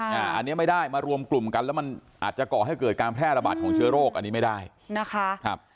อันนี้ไม่ได้มารวมกลุ่มกันแล้วมันอาจจะก่อให้เกิดการแพร่ระบาดของเชื้อโรคอันนี้ไม่ได้นะคะครับ